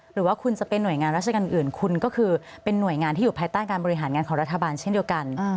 หรือว่าคุณจะเป็นหน่วยงานราชการอื่นคุณก็คือเป็นหน่วยงานที่อยู่ภายใต้การบริหารงานของรัฐบาลเช่นเดียวกัน